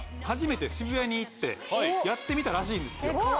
初めて渋谷に行ってやってみたらしいんですよ。